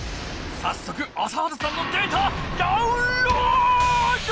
さっそく朝原さんのデータダウンロード！